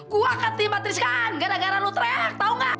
gua akan dimatriskan gara gara lo teriak tau gak